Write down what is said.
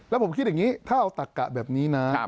แล้วผมคิดอย่างนี้ถ้าเอาตักกะแบบนี้นะ